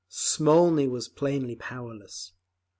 Smolny was plainly powerless.